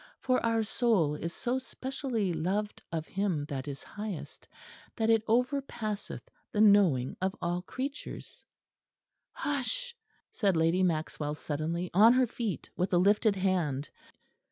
For our soul is so specially loved of Him that is highest, that it overpasseth the knowing of all creatures " "Hush," said Lady Maxwell suddenly, on her feet, with a lifted hand.